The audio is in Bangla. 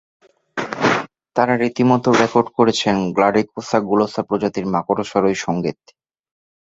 তাঁরা রীতিমতো রেকর্ড করেছেন গ্লাডিকোসা গুলোসা প্রজাতির মাকড়সার ওই সংগীত।